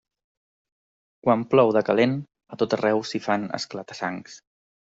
Quan plou de calent, a tot arreu s'hi fan esclata-sangs.